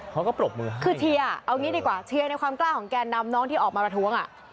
ปรบมือคือเชียร์เอางี้ดีกว่าเชียร์ในความกล้าของแกนนำน้องที่ออกมาประท้วงอ่ะ